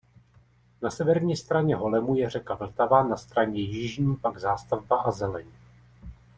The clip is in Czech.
Na severní straně ho lemuje řeka Vltava na straně jižní pak zástavba a zeleň.